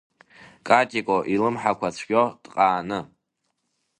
Катико илымҳақәа џьгәо, дҟааны.